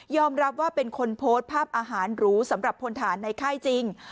รับว่าเป็นคนโพสต์ภาพอาหารหรูสำหรับพลฐานในค่ายจริง